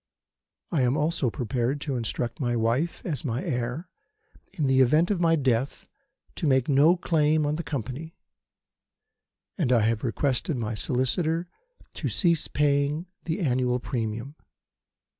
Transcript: I am also prepared to instruct my wife, as my heir, in the event of my death to make no claim on the Company; and I have requested my solicitor to cease paying the annual premium.